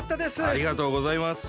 ありがとうございます。